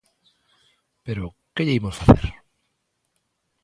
Pero ¿que lle imos facer?